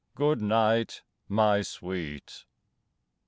good night, my sweet!